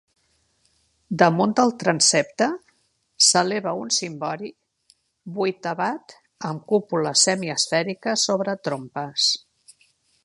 Damunt del transsepte, s'eleva un cimbori vuitavat amb cúpula semiesfèrica sobre trompes.